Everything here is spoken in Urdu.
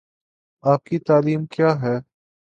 آپ کی تعلیم کیا ہے ؟